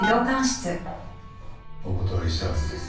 お断りしたはずです。